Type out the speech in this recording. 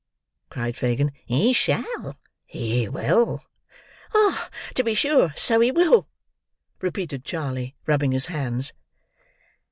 cried Fagin. "He shall—he will!" "Ah, to be sure, so he will," repeated Charley, rubbing his hands.